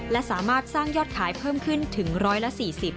และสามารถสร้างยอดขายเพิ่มขึ้นถึง๑๔๐